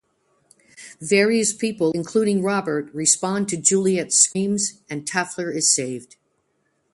Various people, including Robert, respond to Juliet's screams, and Taffler is saved.